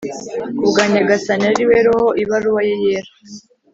ku bwa nyagasani, ari we roho ibaruwa ye yera